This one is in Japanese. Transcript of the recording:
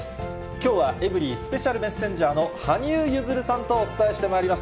きょうはエブリィスペシャルメッセンジャーの羽生結弦さんとお伝えしてまいります。